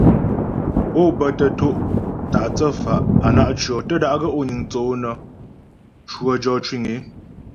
Ó bə to' ta' thə́fa' á na' tʉɔ, tə́ da'gaə́ ó niŋ thə́ ǒ nə́ cwə jɔ cwiŋ ée.